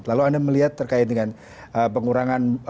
lalu anda melihat terkait dengan pengurangan